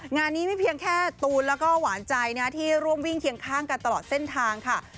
งานนี้ไม่เพียงแค่ตูนแล้วก็หวานใจที่ร่วมวิ่งเคียงข้างกันตลอดเส้นทางค่ะ